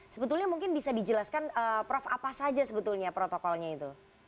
sebetulnya mungkin bisa dijelaskan prof apa saja sebetulnya protokolnya itu